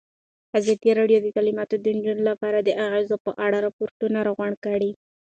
ازادي راډیو د تعلیمات د نجونو لپاره د اغېزو په اړه ریپوټونه راغونډ کړي.